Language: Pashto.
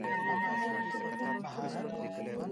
موږ له ډاره ماڼۍ ړنګه کړې وه.